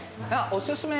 おすすめ